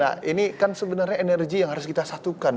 nah ini kan sebenarnya energi yang harus kita satukan